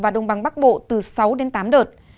đông bắc bộ sáu đến tám đợt